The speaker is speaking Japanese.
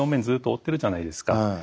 ずっと覆ってるじゃないですか。